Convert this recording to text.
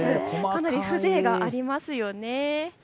かなり風情がありますよね。